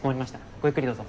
ごゆっくりどうぞ。